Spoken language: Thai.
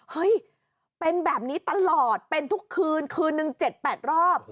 เฮ้ยเป็นแบบนี้ตลอดเป็นทุกคืนคืนนึง๗๘รอบ